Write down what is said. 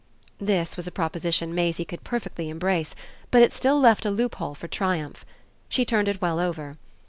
This was a proposition Maisie could perfectly embrace, but it still left a loophole for triumph. She turned it well over.